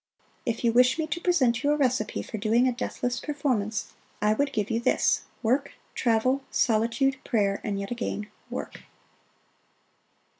If you wish me to present you a recipe for doing a deathless performance, I would give you this: Work, travel, solitude, prayer, and yet again work.